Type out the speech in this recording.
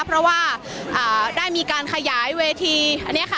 เพราะว่าได้มีการขยายเวทีอันนี้ค่ะ